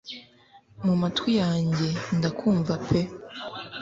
mumatwi yajye ndakumva pe